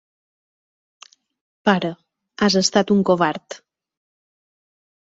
Pare, has estat un covard.